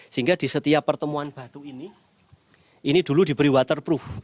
sehingga di setiap pertemuan batu ini ini dulu diberi waterproof